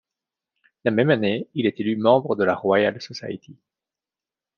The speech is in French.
La même année, il est élu membre de la Royal Society.